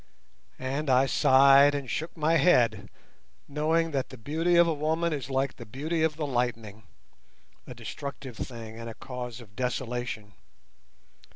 And I sighed and shook my head, knowing that the beauty of a woman is like the beauty of the lightning—a destructive thing and a cause of desolation.